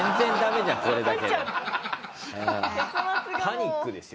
パニックですよ